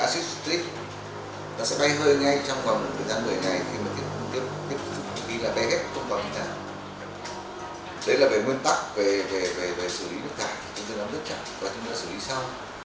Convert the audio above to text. đấy là về nguyên tắc về xử lý nước cải chúng tôi đã lướt chặt và chúng ta xử lý sau